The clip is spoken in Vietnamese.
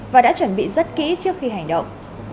và đã chuẩn bị rất kỹ trước khi hành động